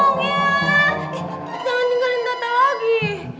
eh jangan tinggalin tata lagi